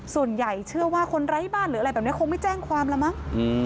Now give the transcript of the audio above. ส่วนใหญ่เชื่อว่าคนไร้บ้านหรืออะไรแบบนี้คงไม่แจ้งความละมั้ง